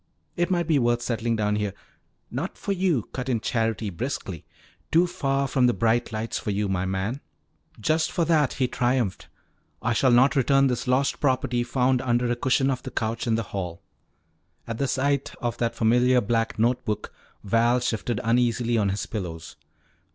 It might be worth settling down here " "Not for you," cut in Charity briskly. "Too far from the bright lights for you, my man." "Just for that," he triumphed, "I shall not return this lost property found under a cushion of the couch in the hall." At the sight of that familiar black note book, Val shifted uneasily on his pillows.